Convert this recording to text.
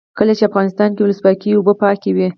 کله چې افغانستان کې ولسواکي وي اوبه پاکې وي.